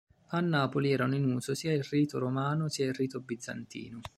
A Napoli erano in uso sia il rito romano sia il rito bizantino.